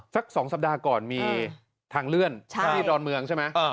สัก๒สัปดาห์ก่อนมีทางเลื่อนที่ดอนเมืองใช่ไหม